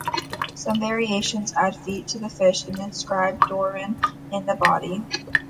Some variations add feet to the fish and inscribe "Darwin" in the body.